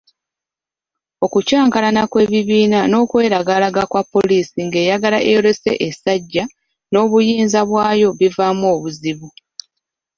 Okucankalana kw'ebibiina n'okweragalaga kwa poliisi ng'eyagala eyolese essajja n'obuyinza bwayo bivaamu obuzibu.